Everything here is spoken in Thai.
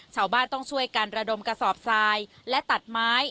ชาวบ้านต้องช่วยกันระดมกระสอบทรายและตัดไม้